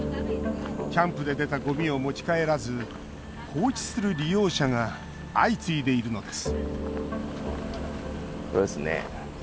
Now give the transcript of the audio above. キャンプで出たゴミを持ち帰らず放置する利用者が相次いでいるのです